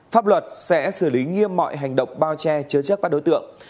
pháp luật sẽ xử lý nghiêm mọi hành động bao che chứa chất và đối tượng